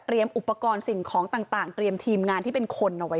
อุปกรณ์สิ่งของต่างเตรียมทีมงานที่เป็นคนเอาไว้